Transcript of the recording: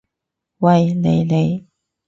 喂，你！你！